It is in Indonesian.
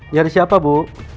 dari siapa bu